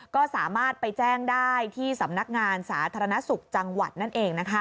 ก็สามารถไปแจ้งได้ที่สำนักงานสาธารณสุขจังหวัดนั่นเอง